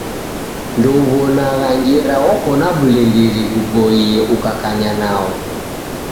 Ndouw'onagha ngera oko na w'ulindiri ghuboie ukakanya nao.